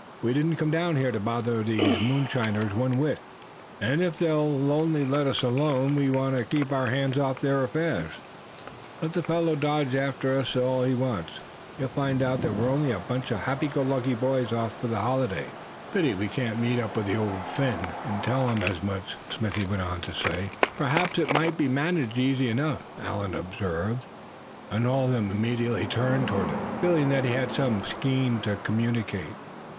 We didn't come down here to bother these moonshiners one whit; and if they'll only let us alone, we want to keep our hands off their affairs. Let the fellow dodge after us if he wants to; he'll find that we're only a bunch of happy go lucky boys, off for a holiday." "Pity we can't meet up with that same old Phin, and tell him as much," Smithy went on to say. "Perhaps it might be managed easy enough," Allan observed, and all of them immediately turned toward him, feeling that he had some scheme to communicate.